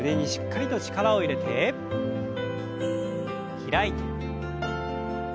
開いて。